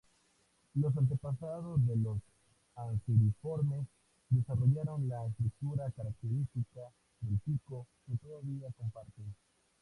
Los antepasados de los Anseriformes desarrollaron la estructura característica del pico, que todavía comparten.